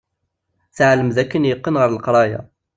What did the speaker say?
Teɛlem d akken yeqqen ɣer leqraya.